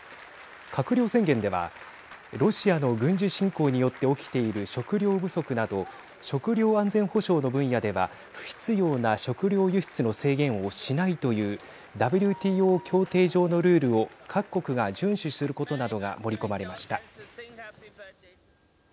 閣僚宣言ではロシアの軍事侵攻によって起きている食料不足など食料安全保障の分野では不必要な食料輸出の制限をしないというＷＴＯ協定上のルールを各国が順守することなどが盛り込まれました。